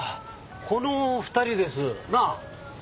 このお二人です。なあ？